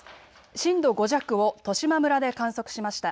震度５弱を十島村で観測しました。